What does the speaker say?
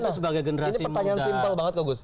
ini pertanyaan simpel banget gus